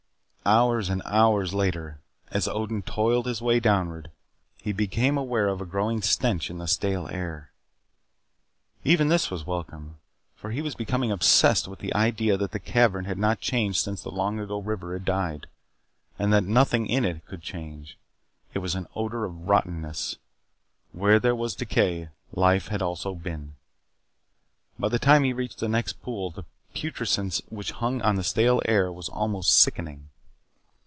Hours and hours later, as Odin toiled his way downward, he became aware of a growing stench in the stale air. Even this was welcome, for he was becoming obsessed with the idea that the cavern had not changed since the long ago river had died, and that nothing in it could change. It was an odor of rottenness. Where there was decay, life had also been. By the time he reached the next pool the putrescence which hung on the stale air was almost sickening.